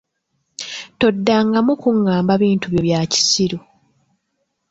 Toddangamu kungamba bintu byo bya kisiru!